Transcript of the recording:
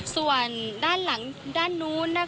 ส่วนด้านหลังด้านนู้น